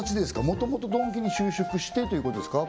もともとドンキに就職してということですか？